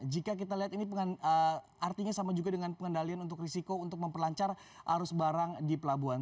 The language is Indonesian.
jika kita lihat ini artinya sama juga dengan pengendalian untuk risiko untuk memperlancar arus barang di pelabuhan